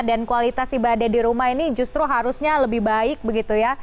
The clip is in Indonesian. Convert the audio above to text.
dan kualitas ibadah di rumah ini justru harusnya lebih baik begitu ya